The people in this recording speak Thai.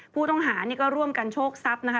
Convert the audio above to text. ผู้ต้องหานี่ก็ร่วมกันโชคทรัพย์นะคะ